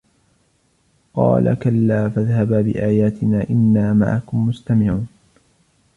قال كلا فاذهبا بآياتنا إنا معكم مستمعون